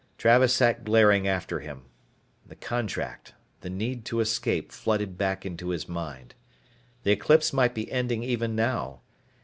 Travis sat glaring after him. The contract, the need to escape flooded back into his mind. The eclipse might be ending even now.